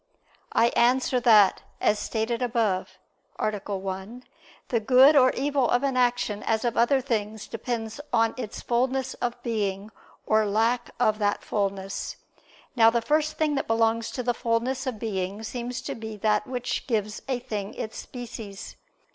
I answer that, as stated above (A. 1) the good or evil of an action, as of other things, depends on its fulness of being or its lack of that fulness. Now the first thing that belongs to the fulness of being seems to be that which gives a thing its species.